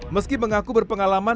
meski mengaku berpengalaman